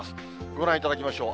ご覧いただきましょう。